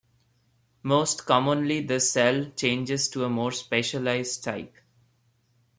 Most commonly the cell changes to a more specialized type.